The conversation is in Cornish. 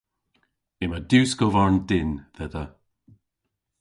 Yma diwskovarn dynn dhedha.